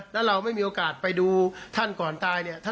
แล้วเราไม่มีโอกาสไปดูท่านก่อนตายเนี่ย